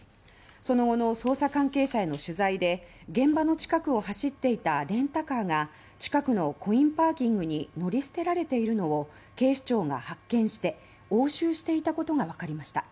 その後の捜査関係者への取材で現場の近くを走っていたレンタカーが近くのコインパーキングに乗り捨てられているのを警視庁が発見して押収していたことがわかりました。